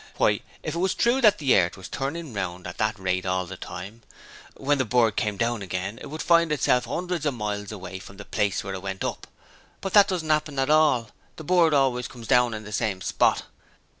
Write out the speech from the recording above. Why, if it was true that the earth was turnin' round at that rate all the time, when the bird came down it would find itself 'undreds of miles away from the place where it went up from! But that doesn't 'appen at all; the bird always comes down in the same spot.'